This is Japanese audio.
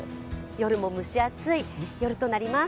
夜も蒸し暑い夜となります。